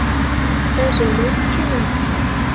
— Тыйже мом онченат?